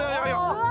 うわ！